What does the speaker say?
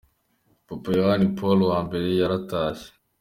Papa Yohani Paul wa mbere yaratashye.